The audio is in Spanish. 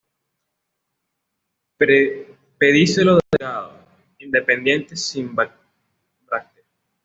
Pedicelo delgado, independiente, sin brácteas.